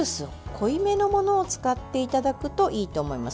濃いめのものを使っていただくといいと思います。